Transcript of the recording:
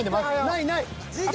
ないない。